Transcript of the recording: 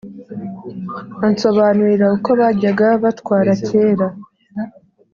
ansobanurira uko bajyaga batwara kera,